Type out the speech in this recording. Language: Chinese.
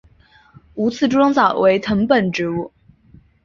无刺猪笼草为藤本植物。